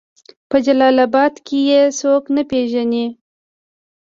په جلال آباد کې يې څوک نه پېژني